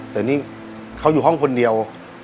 แต่นี่เขาอยู่ห้องคนเดียว